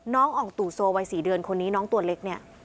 อ่องตู่โซวัย๔เดือนคนนี้น้องตัวเล็กเนี่ย